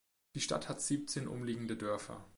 Die Stadt hat siebzehn umliegende Dörfer.